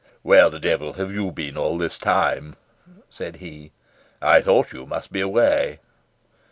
"Where the devil have you been all this time?" said he. "I thought you must be away."